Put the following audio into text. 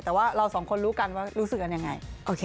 แต่ว่าเราสองคนรู้กันว่ารู้สึกกันยังไง